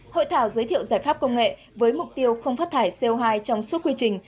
hội thảo giới thiệu giải pháp công nghệ với mục tiêu không phát thải co hai trong suốt quy trình